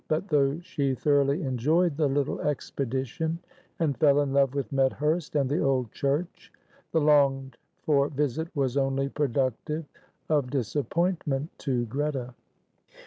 But though she thoroughly enjoyed the little expedition, and fell in love with Medhurst and the old church, the longed for visit was only productive of disappointment to Greta.